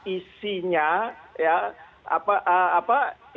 itu kan tidak terkait dengan apa saja